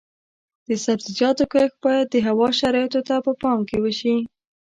د سبزیجاتو کښت باید د هوا شرایطو ته په پام وشي.